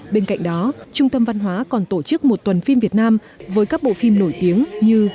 bên cạnh đó trung tâm văn hóa còn tổ chức một tuần phim việt nam với các bộ phim nổi tiếng như